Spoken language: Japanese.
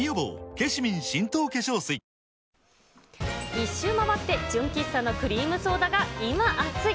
１周回って純喫茶のクリームソーダが、今熱い。